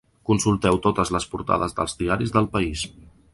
Consulteu totes les portades dels diaris del país.